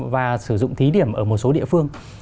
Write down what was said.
và sử dụng thí điểm ở một số địa phương